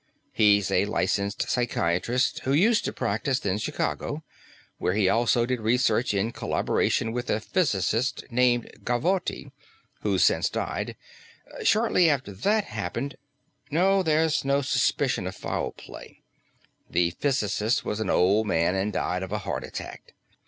He's a licensed psychiatrist who used to practice in Chicago, where he also did research in collaboration with a physicist named Gavotti, who's since died. Shortly after that happened "No, there's no suspicion of foul play; the physicist was an old man and died of a heart attack.